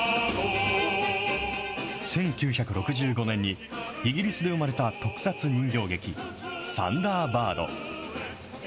１９６５年に、イギリスで生まれた特撮人形劇、サンダーバード。